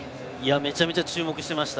めちゃめちゃ注目してました。